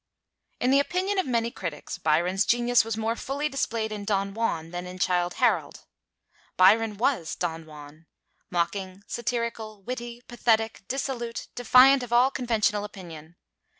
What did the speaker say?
In the opinion of many critics, Byron's genius was more fully displayed in 'Don Juan' than in 'Childe Harold.' Byron was Don Juan, mocking, satirical, witty, pathetic, dissolute, defiant of all conventional opinion.